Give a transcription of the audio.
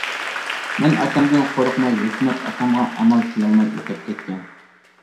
مەن ئاكامدىن قورقماي، ھۆكۈمەت ئاكامغا ئامال قىلالماي ئۆتەپ كەتكەن.